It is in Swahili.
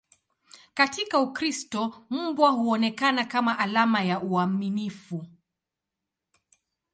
Katika Ukristo, mbwa huonekana kama alama ya uaminifu.